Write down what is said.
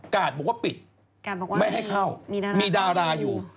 บอกว่าปิดไม่ให้เข้ามีดาราอยู่